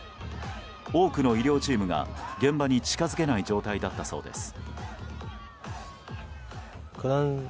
多くの医療チームが、現場に近づけない状態だったそうです。